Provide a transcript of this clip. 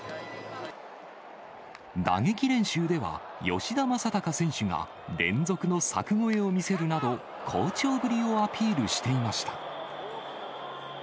打撃練習では、吉田正尚選手が連続の柵越えを見せるなど、好調ぶりをアピールしていました。